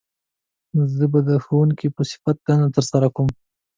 زه به د ښوونکي په صفت دنده تر سره کووم